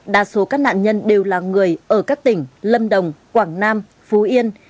đa số các nạn nhân đều là người ở các tỉnh lâm đồng quảng nam phú yên